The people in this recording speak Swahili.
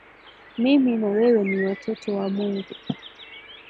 Mimi na wewe ni watoto wa mungu